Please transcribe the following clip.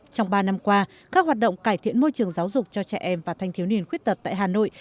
trong ba năm qua các hoạt động cải thiện môi trường giáo dục cho trẻ em và thanh thiếu niên khuyết tật tại hà nội